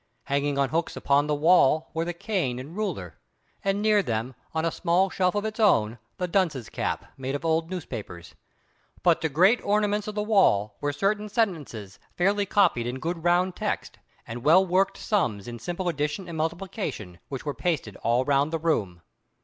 Hanging on hooks upon the wall were the cane and ruler; and near them, on a small shelf of its own, the dunce's cap, made of old newspapers. But the great ornaments of the wall were certain sentences fairly copied in good round text, and well worked sums in simple addition and multiplication, which were pasted all round the room.